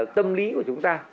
tâm lý của chúng ta